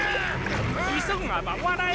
急がば笑え！